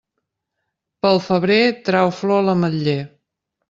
Pel febrer trau flor l'ametler.